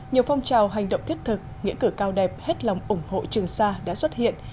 nhiều phong trào hành động thiết thực nghĩa cử cao đẹp hết lòng ủng hộ trường sa đã xuất hiện